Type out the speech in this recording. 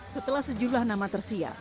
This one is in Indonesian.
setelah sejulah nama tersia